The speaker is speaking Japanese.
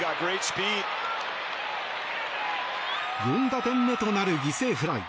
４打点目となる犠牲フライ。